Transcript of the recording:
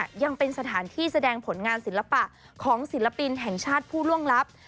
ยังเป็นสถานที่แสดงผลงานศิลปะของศิลปินแห่งชาติผู้ล่วงลับ